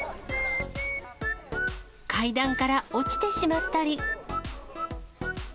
階段から落ちてしまったり。